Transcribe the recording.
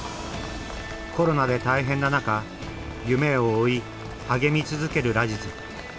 コロナで大変な中夢を追い励み続けるラジズ。